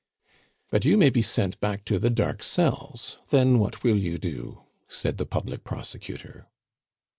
"But you may be sent back to the dark cells: then, what will you do?" said the public prosecutor.